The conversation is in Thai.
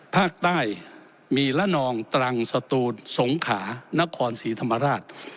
ภาคใต้มีละนองตรังสตูนสงขานครศรีธรรมราช